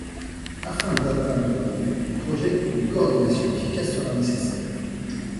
Afin d'atteindre les buts du projet, une coordination efficace sera nécessaire.